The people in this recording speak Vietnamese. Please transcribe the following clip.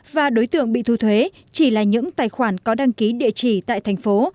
và đối tượng bị thu thuế chỉ là những tài khoản có đăng ký địa chỉ tại thành phố